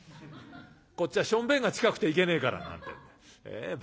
こっちはしょんべんが近くていけねえから」なんてんで。